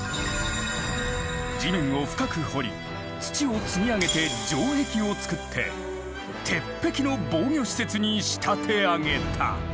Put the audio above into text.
地面を深く掘り土を積み上げて城壁を造って鉄壁の防御施設に仕立て上げた。